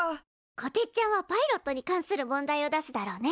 こてっちゃんはパイロットに関する問題を出すだろうね。